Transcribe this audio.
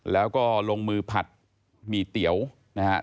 แล้วก็ลงมือผัดหมี่เตี๋ยวนะฮะ